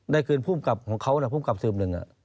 ได้คืนผู้กลับของเขาผู้กลับสิบหนึ่ง